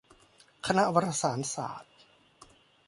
คณะวารสารศาสตร์